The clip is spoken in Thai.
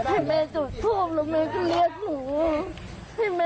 ให้แม่จุดภูมิแล้วแม่ก็เรียกหนู